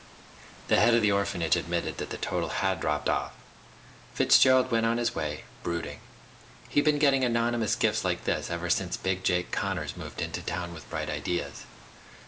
The head of the orphanage admitted that the total had dropped off. Fitzgerald went on his way, brooding. He'd been getting anonymous gifts like this ever since Big Jake Connors moved into town with bright ideas.